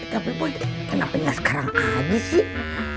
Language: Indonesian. tapi boy kenapa nggak sekarang aja sih